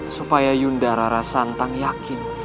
supaya yunda rara santang yakin